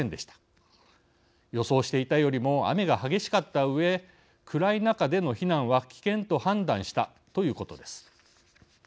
予想していたよりも雨が激しかったうえ暗い中での避難は危険と判断したということです。